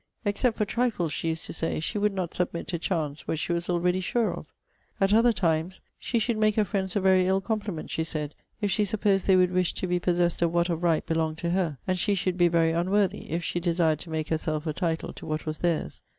'Except for trifles,' she used to say, 'she would not submit to chance what she was already sure of.' At other times, 'she should make her friends a very ill compliment,' she said, 'if she supposed they would wish to be possessed of what of right belonged to her; and she should be very unworthy, if she desired to make herself a title to what was theirs.'